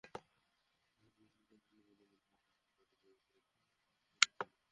পরে বিএসএফ সদস্যরা সীমান্তের বলদঘাটার বিপরীতে শোনপুর এলাকায় তাঁদের ফেলে রেখে যান।